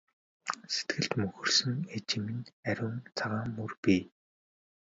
Сэтгэлд мөнхөрсөн ээжийн минь ариун цагаан мөр бий!